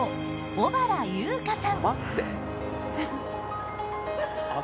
小原優花さん。